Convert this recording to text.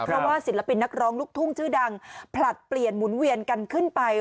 เพราะว่าศิลปินนักร้องลูกทุ่งชื่อดังผลัดเปลี่ยนหมุนเวียนกันขึ้นไป